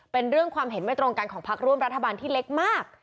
เป็นเรื่องความเห็นไม่ตรงกันของพักร่วมรัฐบาลที่เล็กมาก